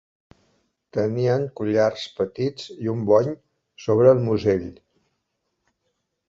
Tenien collars petits i un bony sobre el musell.